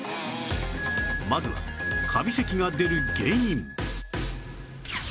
まずはカビ咳が出る原因